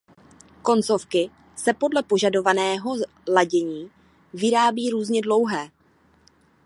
Koncovky se podle požadovaného ladění vyrábí různě dlouhé.